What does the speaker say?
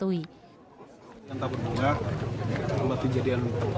tabur bunga kebetulan kejadian karat disini